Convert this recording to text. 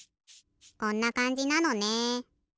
こんなかんじなのね。